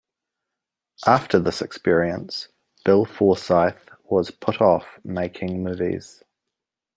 After this experience Bill Forsyth was put off making movies.